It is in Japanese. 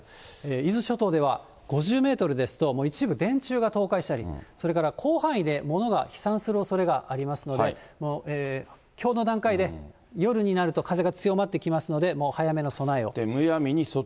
伊豆諸島では、５０メートルですと、一部電柱が倒壊したり、それから広範囲で物が飛散するおそれがありますので、きょうの段階で夜になると風が強まってきますので、もう早めの備えを。